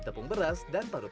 tepung beras dan parut